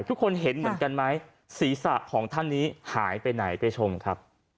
ทุกคนเห็นเหมือนกันไหมศีรษะของท่านนี้หายไปไหนไปชมครับ